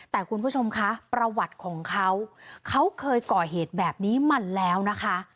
แต่คุณผู้ชมคะประวัติของเขาเขาเคยก่อเหตุแบบนี้มาแล้วนะคะ